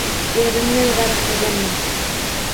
Erinmay varaqlaganman.